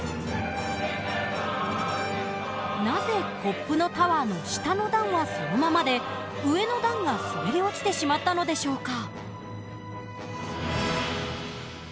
なぜコップのタワーの下の段はそのままで上の段が滑り落ちてしまったのでしょうか？